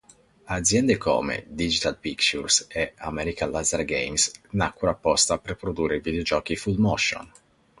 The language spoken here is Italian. Aziende come Digital Pictures e American Laser Games nacquero apposta per produrre videogiochi full-motion.